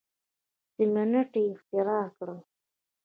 سیمنټ یې اختراع کړل.